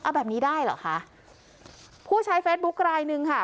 เอาแบบนี้ได้เหรอคะผู้ใช้เฟซบุ๊คลายหนึ่งค่ะ